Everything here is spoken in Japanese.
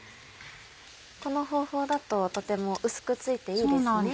この方法だととても薄く付いていいですね。